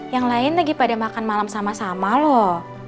yang lain lagi pada makan malam sama sama loh